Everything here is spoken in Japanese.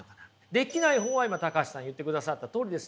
できない方は今橋さん言ってくださったとおりですね。